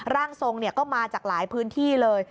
ร่างทรงก็มาจากหลายพื้นที่เลย